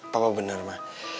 papa bener ma